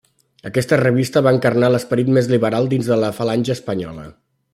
Aquesta revista va encarnar l'esperit més liberal dins de la Falange Espanyola.